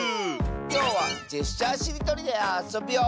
きょうは「ジェスチャーしりとり」であそぶよ！